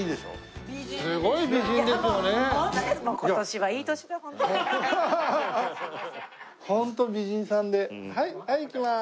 はいいきます。